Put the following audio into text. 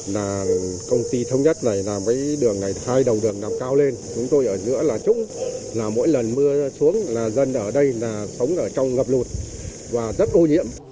là công ty thống nhất này là với đường này hai đầu đường nằm cao lên chúng tôi ở giữa là trúng là mỗi lần mưa xuống là dân ở đây là sống ở trong ngập lụt và rất ô nhiễm